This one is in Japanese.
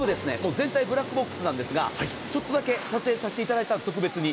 全体はブラックボックスですがちょっとだけ撮影させていただいた、特別に。